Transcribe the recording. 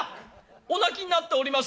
「お泣きになっておりますな」。